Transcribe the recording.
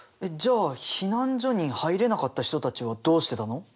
じゃあ避難所に入れなかった人たちはどうしてたの？